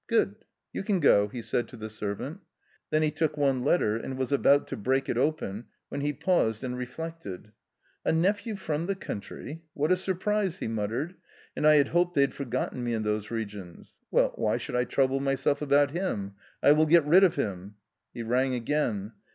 " Good, you can go," he said to the servant. Then he took one letter, and was about to break it open, when he paused and reflected. , "A nephew from the country — what a surprise !" he \ muttered;. "and I had hoped they had forgotten me in those regions. Well, why should I trouble myself about him ? I will get rid of him." He rang again.